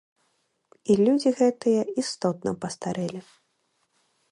І людзі гэтыя істотна пастарэлі.